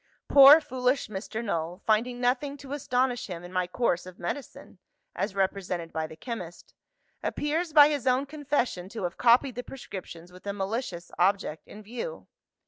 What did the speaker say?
"Poor foolish Mr. Null, finding nothing to astonish him in my course of medicine as represented by the chemist appears by his own confession, to have copied the prescriptions with a malicious object in view.